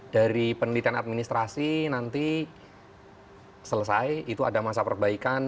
dari penelitian administrasi nanti selesai itu ada masa perbaikan